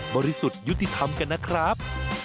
บริสุทธิ์ยุติธรรมกันนะครับ